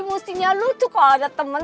mestinya lu tuh kalau ada temen